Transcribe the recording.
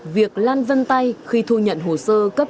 việc lan vân tay khi thu nhận hồ sơ cấp